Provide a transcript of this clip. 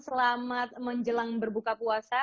selamat menjelang berbuka puasa